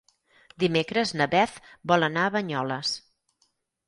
Dimecres na Beth vol anar a Banyoles.